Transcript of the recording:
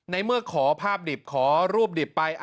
ในเมื่อขอภาพดิบขอรูปดิบไป